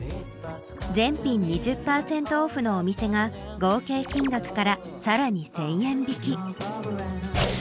全品２０％オフのお店が合計金額からさらに１０００円引き。